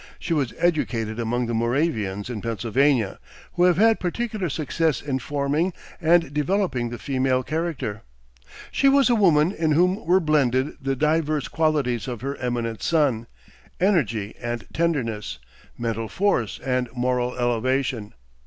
She was educated among the Moravians in Pennsylvania, who have had particular success in forming and developing the female character. She was a woman in whom were blended the diverse qualities of her eminent son, energy and tenderness, mental force and moral elevation.